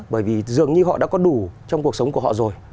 bởi vì dường như họ đã có đủ trong cuộc sống của họ rồi